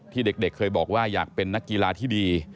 ที่เด็กเคยบอกว่าอยากเป็นนักกีฬาที่ดี